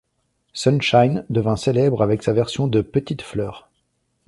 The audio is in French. Sunshine devint célèbre avec sa version de Petite Fleur.